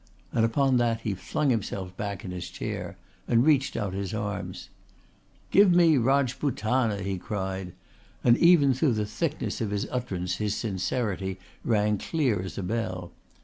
And upon that he flung himself back in his chair and reached out his arms. "Give me Rajputana!" he cried, and even through the thickness of his utterance his sincerity rang clear as a bell.